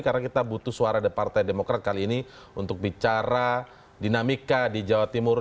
karena kita butuh suara dari partai demokrat kali ini untuk bicara dinamika di jawa timur